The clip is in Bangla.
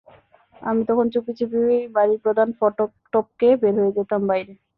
আমি তখন চুপিচুপি বাড়ির প্রধান ফটক টপকে বের হয়ে যেতাম বাইরে।